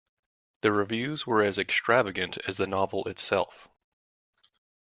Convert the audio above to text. The reviews were as extravagant as the novel itself.